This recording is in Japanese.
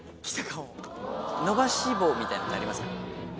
伸ばし棒みたいなのあります？